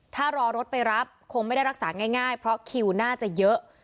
ถ้ารอรถไปรับคงไม่ได้รักษาง่ายเพราะคิวน่าจะเยอะ